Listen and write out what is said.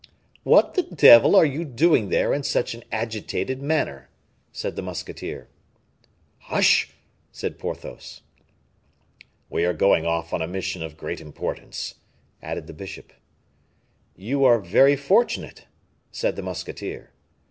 "What the devil are you doing there in such an agitated manner?" said the musketeer. "Hush!" said Porthos. "We are going off on a mission of great importance," added the bishop. "You are very fortunate," said the musketeer.